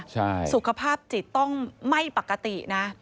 ใช่สุขภาพจิตต้องไม่ปกตินะ